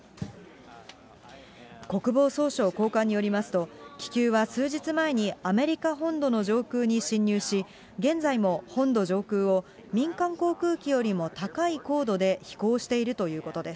国防総省高官によりますと、気球は数日前にアメリカ本土の上空に侵入し、現在も本土上空を、民間航空機よりも高い高度で飛行しているということです。